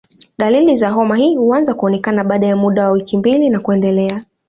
Dalili za homa hii huanza kuonekana baada ya muda wa wiki mbili na kuendelea.